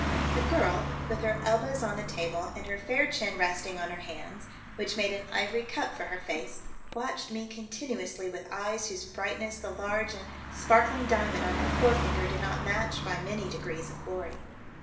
The girl, with her elbows on the table and her fair chin resting on her hands, which made an ivory cup for her face, watched me continuously with eyes whose brightness the large and sparkling diamond on her fore finger did not match by many degrees of glory.